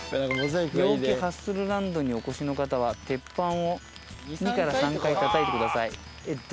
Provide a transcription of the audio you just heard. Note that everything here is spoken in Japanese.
「陽気ハッスルランドにおこしの方は鉄板を２３回たたいて下さい」。